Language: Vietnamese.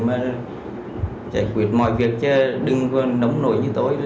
mà giải quyết mọi việc chứ đừng đống nổi như tôi